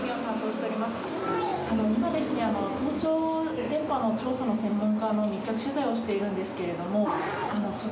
今ですね、盗聴電波の調査の専門家の密着取材をしているんですけれども、はい。